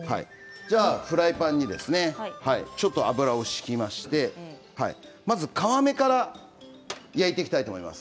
フライパンにちょっと油を敷きまして皮目から焼いていきたいと思います。